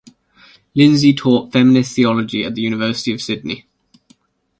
Lindsay taught feminist theology at the University of Sydney.